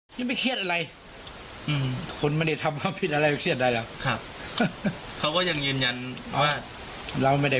ลูกผมคนธมาฯกินที่เขาอ้างที่ฝั่งโน้นเขากล่าวหาว่าวางเยองวางยานั้นก็ไม่ได้